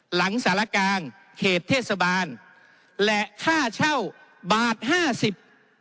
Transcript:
หลังสารกลางเขตเทศบาลและค่าเช่าบาทห้าสิบ